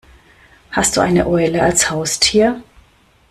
Hast du eine Eule als Haustier?